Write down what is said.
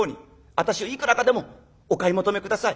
私をいくらかでもお買い求め下さい。